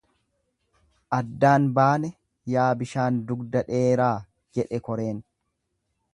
Addaan baane yaa bishaan dugda dheeraa jedhe koreen.